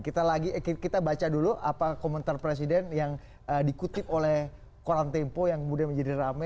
kita baca dulu apa komentar presiden yang dikutip oleh koran tempo yang kemudian menjadi rame